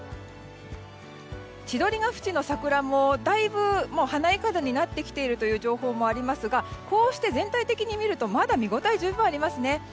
千鳥ケ淵の桜もだいぶ花いかだになってきているという情報もありますがこうして全体的に見るとまだ見応えが十分ありますね。